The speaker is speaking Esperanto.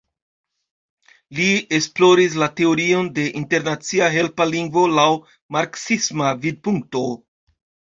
Li esploris la teorion de internacia helpa lingvo laŭ marksisma vidpunkto.